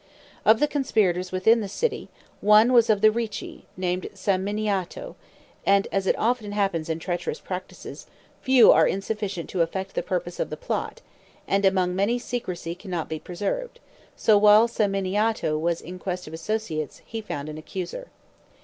Of the conspirators within the city, was one of the Ricci named Samminiato; and as it often happens in treacherous practices, few are insufficient to effect the purpose of the plot, and among many secrecy cannot be preserved, so while Samminiato was in quest of associates, he found an accuser.